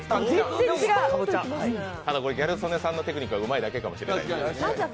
ただこれ、ギャル曽根さんのテクニックがうまいかもしれない。